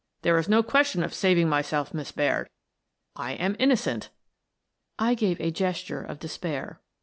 There is no question of sav ing myself, Miss Baird, — I am innocent." I gave a gesture of despair.